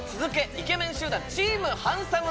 イケメン集団チーム・ハンサム！